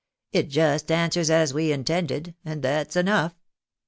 " It just answers as we intended — and that's enough.